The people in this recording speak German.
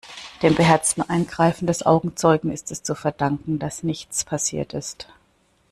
Dem beherzten Eingreifen des Augenzeugen ist es zu verdanken, dass nichts passiert ist.